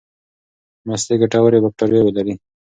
مستې ګټورې باکتریاوې لري.